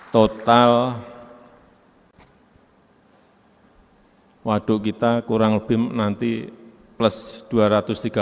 total waduk kita kurang lebih nanti plus dua ratus tiga puluh